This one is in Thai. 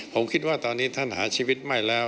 ผมคิดว่าตอนนี้ท่านหาชีวิตไม่แล้ว